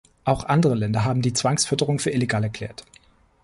Auch andere Länder haben die Zwangsfütterung für illegal erklärt.